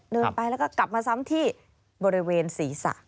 เดินไปแล้วก็กลับมาซ้ำที่บริเวณศีรษะ